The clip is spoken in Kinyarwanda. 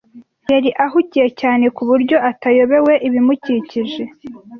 Yari ahugiye cyane ku buryo atayobewe ibimukikije.